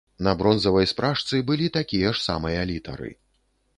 На бронзавай спражцы былі такія ж самыя літары.